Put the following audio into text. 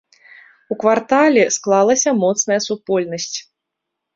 У квартале склалася моцная супольнасць.